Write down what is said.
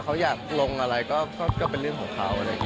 เขาอยากลงอะไรก็เป็นเรื่องของเขา